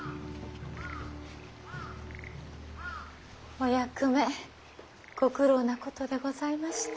お役目ご苦労なことでございました。